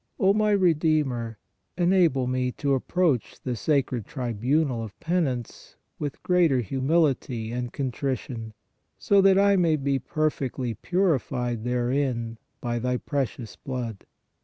O my Redeemer, enable me to approach the sacred tribunal of penance with greater humility and con trition, so that I may be perfectly purified therein by Thy precious blood.